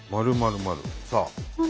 「○○○」さあ。